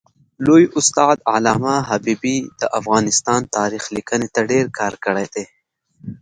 لوی استاد علامه حبیبي د افغانستان تاریخ لیکني ته ډېر کار کړی دی.